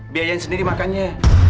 biayai sendiri makannya